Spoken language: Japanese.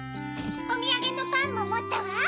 おみやげのパンももったわ。